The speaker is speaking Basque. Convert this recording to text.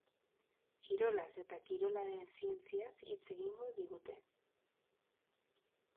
Kirolaz eta kirolaren zientziaz hitz egingo digute.